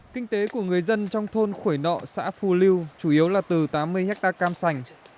kinh tế của người dân trong thôn khổi nọ xã phù lưu chủ yếu là từ tám mươi hectare cam sành